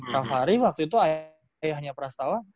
kavhari waktu itu ayahnya prastawa